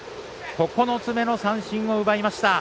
９つ目の三振を奪いました。